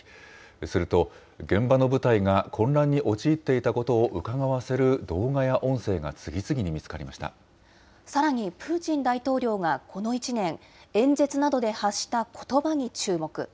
すると、現場の部隊が混乱に陥っていたことをうかがわせる動画や音声が次さらにプーチン大統領がこの１年、演説などで発したことばに注目。